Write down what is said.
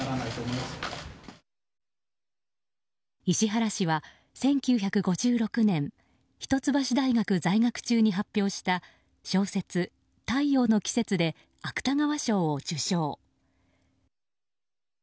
石原氏は１９５６年一橋大学在学中に発表した小説「太陽の季節」で芥川賞を受賞。